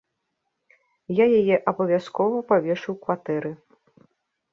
Я яе абавязкова павешу ў кватэры.